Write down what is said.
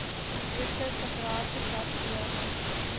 ذکر تکرار کے ساتھ کیا ہے